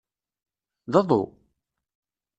D aḍu?